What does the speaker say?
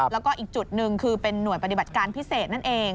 แล้วก็อีกจุดหนึ่งคือเป็นหน่วยปฏิบัติการพิเศษนั่นเอง